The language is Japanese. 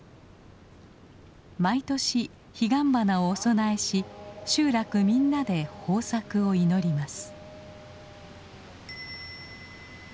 毎年ヒガンバナをお供えし集落みんなで豊作を祈ります。